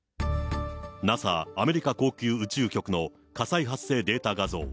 ＮＡＳＡ・アメリカ航空宇宙局の火災発生データ画像。